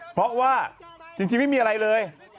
เพราะว่าจริงไม่มีอะไรเลย